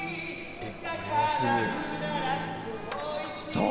そう！